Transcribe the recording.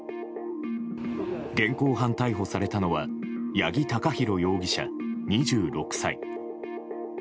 現行犯逮捕されたのは八木貴寛容疑者、２６歳。